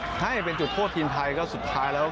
ถ้าจะเป็นจุดโทษทีมไทยก็สุดท้ายแล้ว